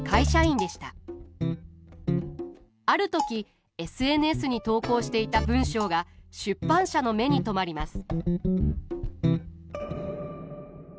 ある時ＳＮＳに投稿していた文章が出版社の目に留まります。